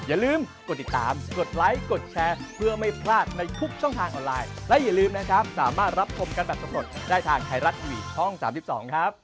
อย่าลืมกดติดตามกดไลค์กดแชร์เพื่อไม่พลาดในทุกช่องทางออนไลน์